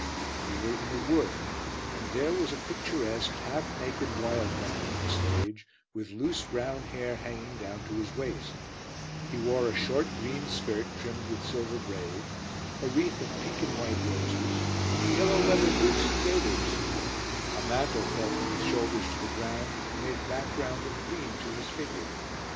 We were in a wood and there was a picturesque, half naked, wild man on the stage with loose, brown hair hanging down to his waist; he wore a short, green skirt trimmed with silver braid, a wreath of pink and white roses, yellow leather boots and gaiters; a mantle fell from his shoulders to the ground and made a background of green to his figure.